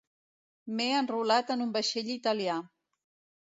M'he enrolat en un vaixell italià.